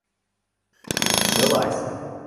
— Вилазь І